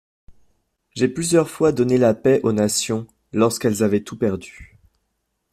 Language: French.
»J'ai plusieurs fois donné la paix aux nations, lorsqu'elles avaient tout perdu.